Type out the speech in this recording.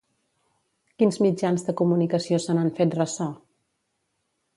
Quins mitjans de comunicació se n'han fet ressò?